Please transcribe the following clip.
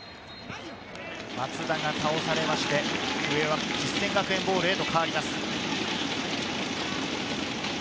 松田が倒されまして、実践学園ボールへと変わります。